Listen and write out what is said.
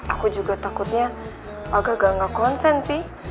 aku juga takutnya agak gak konsen sih